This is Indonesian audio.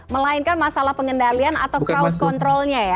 melainkan masalah pengendalian atau crowd controlnya ya